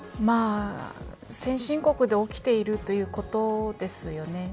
先進国で起きているということですよね。